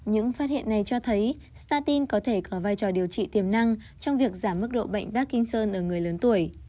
những phát hiện này cho thấy statin có thể có vai trò điều trị tiềm năng trong việc giảm mức độ bệnh parkinson ở người lớn tuổi